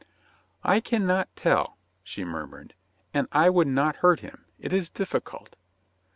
"I can not tell," she murmured. "And I would not hurt him. It is difficult."